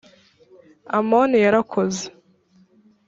amoni yarakoze.